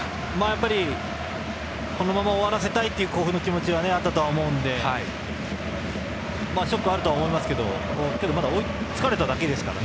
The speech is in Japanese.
やっぱりこのまま終わらせたいという甲府の気持ちはあったと思うのでショックはあると思いますがまだ追いつかれただけですから。